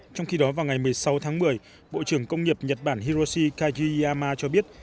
trong khi đó vào ngày một mươi sáu tháng một mươi bộ trưởng công nghiệp nhật bản hiroshi kajiyama cho biết